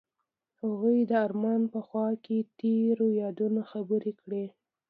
هغوی د آرمان په خوا کې تیرو یادونو خبرې کړې.